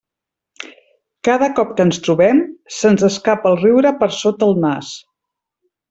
Cada cop que ens trobem, se'ns escapa el riure per sota el nas.